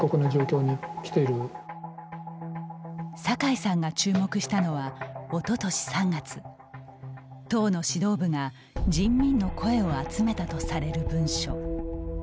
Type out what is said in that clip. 坂井さんが注目したのはおととし３月党の指導部が人民の声を集めたとされる文書。